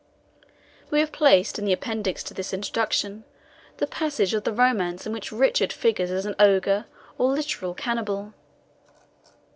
We have placed in the Appendix to this Introduction the passage of the romance in which Richard figures as an ogre, or literal cannibal.